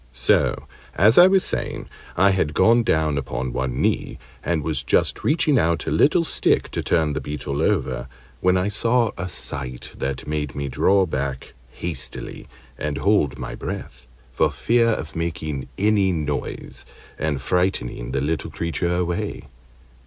So, as I was saying, I had gone down upon one knee, and was just reaching out a little stick to turn the Beetle over, when I saw a sight that made me draw back hastily and hold my breath, for fear of making any noise and frightening the little creature a way.